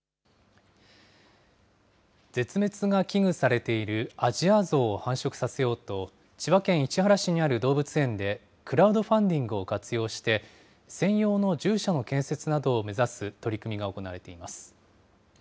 絶滅が危惧されているアジアゾウを繁殖させようと、千葉県市原市にある動物園で、クラウドファンディングを活用して、専用の獣舎の建設などを目指す取り組みが行われています。